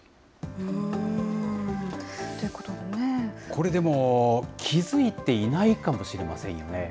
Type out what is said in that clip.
これでも気付いていないかもしれませんよね。